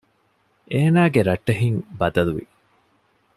އޭނާގެ ރައްޓެހިން ބަދަލުވި